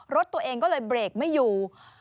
รถตัวเองก็เลยเบรกไม่อยู่